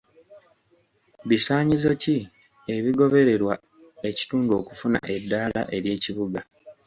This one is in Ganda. Bisaanyizo ki ebigobererwa ekitundu okufuna eddaala ery'ekibuga?